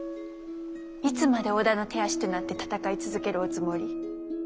いつまで織田の手足となって戦い続けるおつもり？